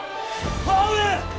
母上！